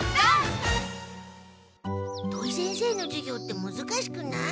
土井先生の授業ってむずかしくない？